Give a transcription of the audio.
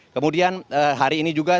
kemudian hari ini juga